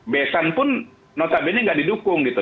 besan pun notabene gak didukung gitu